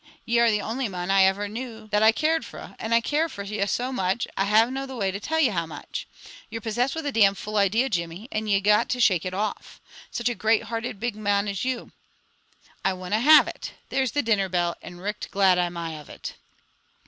Ye are the only mon I ever knew that I cared fra, and I care fra ye so much, I havna the way to tell ye how much. You're possessed with a damn fool idea, Jimmy, and ye got to shake it off. Such a great hearted, big mon as ye! I winna have it! There's the dinner bell, and richt glad I am of it!"